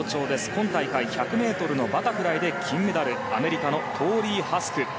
今大会１００ｍのバタフライで金メダルアメリカのトーリー・ハスク。